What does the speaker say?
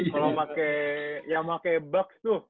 kalau yang pakai buks tuh